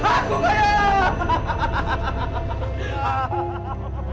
aku banyak uang